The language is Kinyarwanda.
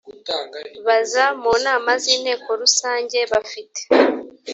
baza mu nama z inteko rusange bafite